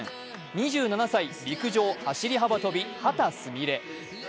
２７歳、陸上・走り幅跳び、秦澄美鈴。